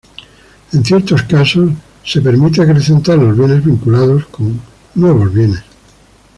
En ciertos casos, es permitido acrecentar los bienes vinculados con nuevos bienes.